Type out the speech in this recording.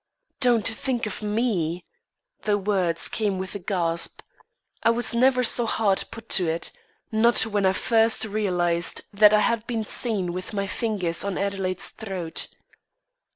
"Don't think of me." The words came with a gasp. I was never so hard put to it not when I first realised that I had been seen with my fingers on Adelaide's throat.